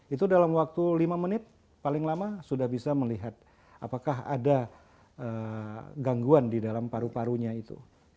itu dalam waktu lima menit paling lama sudah bisa melihat apakah ada gangguan di dalam paru parunya itu